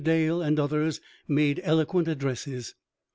Dale, and others made eloquent addresses.